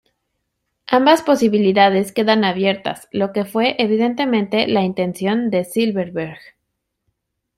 Ambas posibilidades quedan abiertas, lo que fue evidentemente la intención de Silverberg.